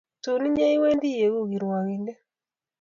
Tun inye awendi aeku kirwngindet